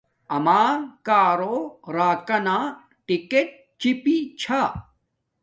اما کارو راکانا ٹکٹ چپی چھا